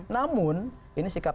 namun ini sikap